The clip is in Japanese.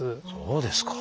そうですか。